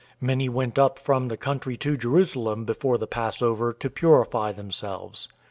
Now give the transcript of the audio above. Many went up from the country to Jerusalem before the Passover, to purify themselves.